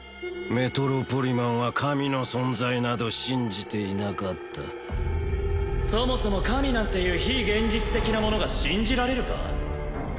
メトロポリマンは神の存在など信じていなかったそもそも神なんていう非現実的なものが信じられるか？